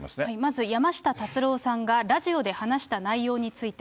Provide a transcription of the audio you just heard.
まず山下達郎さんがラジオで話した内容について。